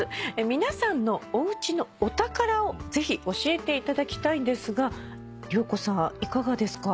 皆さんのおうちのお宝をぜひ教えていただきたいんですが良子さんいかがですか？